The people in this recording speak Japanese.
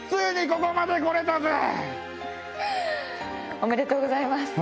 おめでとうございます！